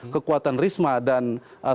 kekuatan risma dan ahok